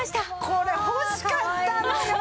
これ欲しかったのよ！